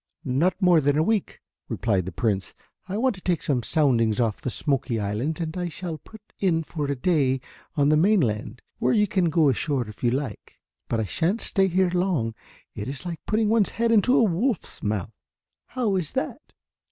"Not more than a week," replied the Prince. "I want to take some soundings off the Smoky Islands and I shall put in for a day on the mainland where you can go ashore if you like, but I shan't stay here long. It is like putting one's head into a wolf's mouth." "How is that?"